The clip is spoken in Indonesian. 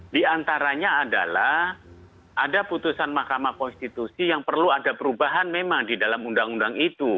di antaranya adalah ada putusan mahkamah konstitusi yang perlu ada perubahan memang di dalam undang undang itu